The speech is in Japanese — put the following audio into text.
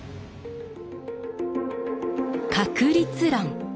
「確率論」。